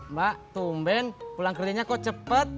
mbak tumben pulang kerjanya kok cepet